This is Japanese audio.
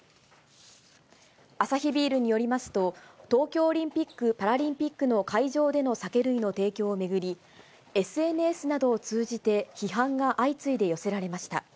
アサヒビールによりますと、東京オリンピック・パラリンピックの会場での酒類の提供を巡り、ＳＮＳなどを通じて批判が相次いで寄せられました。